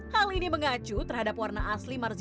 hal ini mengacu terhadap warna asli marzuki